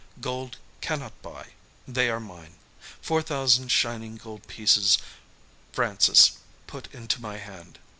Gold cannot buy.... They are mine.... Four thousand shining gold pieces Francis put into my hand.